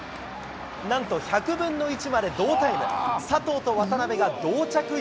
なんと１００分の１まで同タイム。